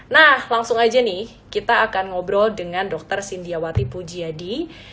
nah langsung aja nih kita akan ngobrol dengan dr sindiawati pujiadi